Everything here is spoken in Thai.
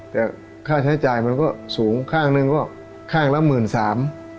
แต่ค่าใช้จ่ายมันก็สูงข้างนึงก็ข้างละ๑๓๐๐๐